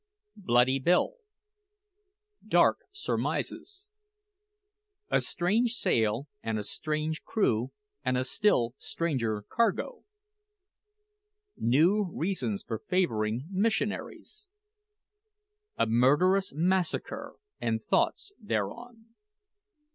BLOODY BILL DARK SURMISES A STRANGE SAIL, AND A STRANGE CREW, AND A STILL STRANGER CARGO NEW REASONS FOR FAVOURING MISSIONARIES A MURDEROUS MASSACRE, AND THOUGHTS THEREON.